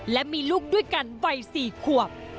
และมีลูกด้วยกันวัย๔ขวบ